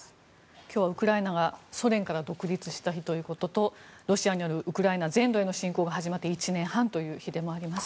今日はウクライナがソ連から独立した日ということとロシアによるウクライナ全土への侵攻が始まって１年半という日でもあります。